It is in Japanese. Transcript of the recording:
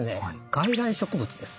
外来植物です。